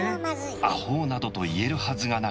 「アホウ」などと言えるはずがない